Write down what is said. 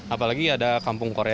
apalagi ada kampung korea